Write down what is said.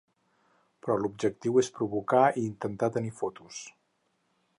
Però l’objectiu és provocar i intentar tenir fotos.